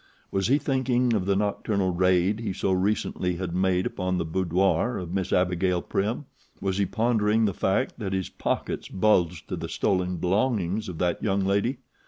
Was he thinking of the nocturnal raid he so recently had made upon the boudoir of Miss Abigail Prim? Was he pondering the fact that his pockets bulged to the stolen belongings of that young lady?